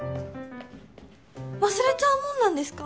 忘れちゃうもんなんですか？